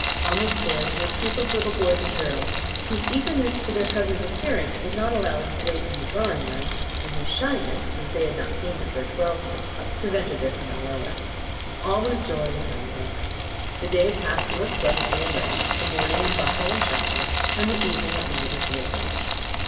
On the stairs were a troop of little boys and girls, whose eagerness for their cousin's appearance would not allow them to wait in the drawing room, and whose shyness, as they had not seen her for a twelvemonth, prevented their coming lower. All was joy and kindness. The day passed most pleasantly away; the morning in bustle and shopping, and the evening at one of the theatres.